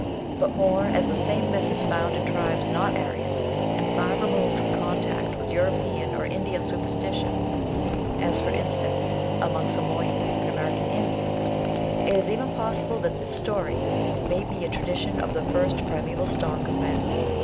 But more, as the same myth is found in tribes not Aryan, and far removed from contact with European or Indian superstition, — as, for instance, among Samoyeds and ■American Indians, — it is even possible that this story may be a tradition of the first primaeval stock of men.